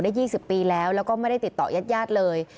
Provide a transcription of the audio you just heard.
ได้๒๐ปีแล้วและไม่ได้ติดต่อยัดเลย